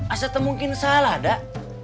asetemungkin salah dah